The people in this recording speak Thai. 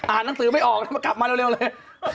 อ่านหนังสือไม่ออกเดี๋ยวกลับมาเร็วเลย